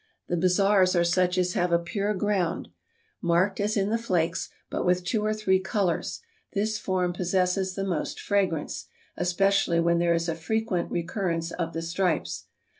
The bizarres are such as have a pure ground, marked as in the flakes, but with two or three colors; this form possesses the most fragrance, especially when there is a frequent recurrence of the stripes.